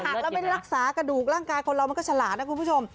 หากเราไม่ได้รักษากระดูกร่างกายคนเรามันก็ฉลาดนะคุณผู้ชม